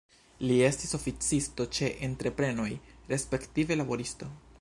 Li estis oficisto ĉe entreprenoj, respektive laboristo.